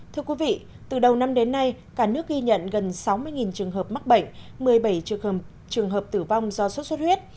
thưa quý vị từ đầu năm đến nay cả nước ghi nhận gần sáu mươi trường hợp mắc bệnh một mươi bảy trường hợp tử vong do sốt xuất huyết